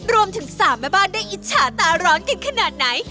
รวมถึง๓แม่บ้านได้อิจฉาตาร้อนกันขนาดไหน